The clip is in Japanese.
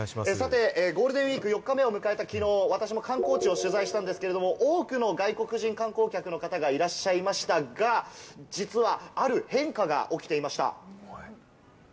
さてゴールデンウイーク４日目を迎えた昨日、私も観光地を取材したんですけれども、多くの外国人観光客の方がいらっしゃいましたが、実はある変化が起きていました。